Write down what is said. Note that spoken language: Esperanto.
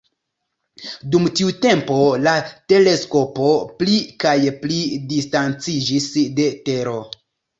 Dum tiu tempo la teleskopo pli kaj pli distanciĝis de Tero.